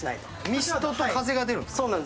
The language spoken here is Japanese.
ミストと風が出るんですか。